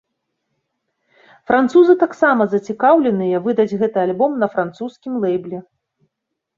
Французы таксама зацікаўленыя выдаць гэты альбом на французскім лэйбле.